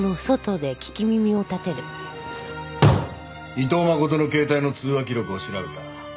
伊藤真琴の携帯の通話記録を調べた。